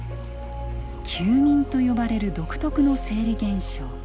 休眠と呼ばれる独特の生理現象。